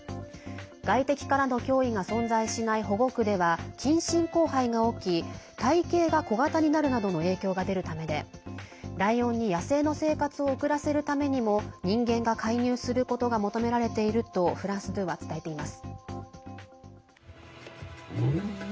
外敵からの脅威が存在しない保護区では近親交配が起き体形が小型になるなどの影響が出るためでライオンに野生の生活を送らせるためにも人間が介入することが求められているとフランス２は伝えています。